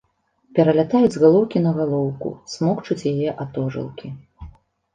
Пералятаюць з галоўкі на галоўку, смокчуць яе атожылкі.